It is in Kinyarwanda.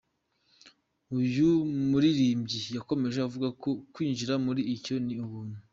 Uyu muririmbyi yakomeje avuga ko kwinjira muri icyo ni ubuntu.